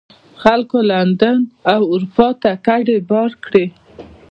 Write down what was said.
خلکو لندن او اروپا ته کډې بار کړې.